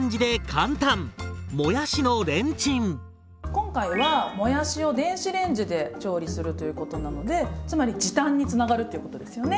今回はもやしを電子レンジで調理するということなのでつまり時短につながるっていうことですよね？